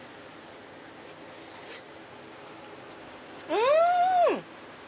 うん！